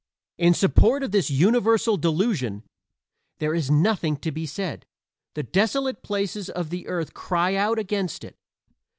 In support of this universal delusion there is nothing to be said; the desolate places of the earth cry out against it.